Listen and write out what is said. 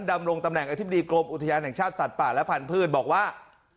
ดำรงตำแหน่งอธิบดีกรมอุทยานแห่งชาติสัตว์ป่าและพันธุ์บอกว่า